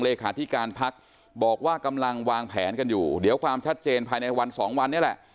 เลขาธิการพักบอกว่ากำลังวางแผนกันอยู่เดี๋ยวความชัดเจนภายในวันสองวันนี้แหละ